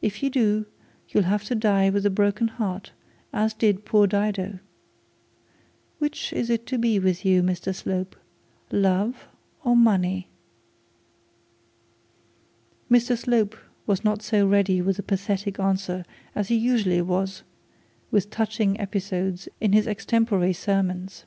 If you do, you'll have to die with a broken heart as did poor Dido. Which is it to be with you, Mr Slope, love or money?' Mr Slope was not so ready with a pathetic answer as he usually was with touching episodes in his extempore sermons.